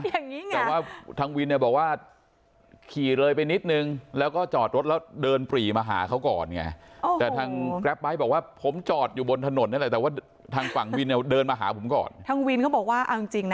แต่ว่าทางวินเนี่ยบอกว่าขี่เลยไปนิดนึงแล้วก็จอดรถแล้วเดินปรีมาหาเขาก่อนไง